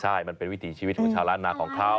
ใช่มันเป็นวิถีชีวิตของชาวล้านนาของเขา